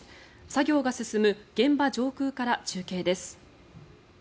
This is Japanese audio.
作業が進む現場上空から中継です。